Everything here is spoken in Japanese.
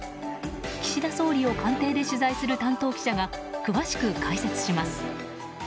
岸田総理を官邸で取材する担当記者が詳しく解説します。